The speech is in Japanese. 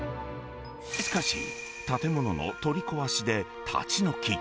しかし、建物の取り壊しで立ち退き。